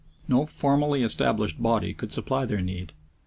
No formally established body could supply their need.